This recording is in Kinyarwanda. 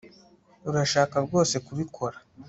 urashaka rwose kubikora